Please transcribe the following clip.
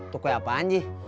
tuker apaan sih